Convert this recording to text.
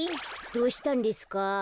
どうしたんですか？